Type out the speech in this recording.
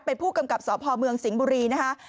เป็นผู้กำกับสพเมืองสิงห์บุรีนะคะ